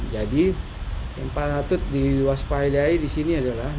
jadi yang patut diluas payday di sini adalah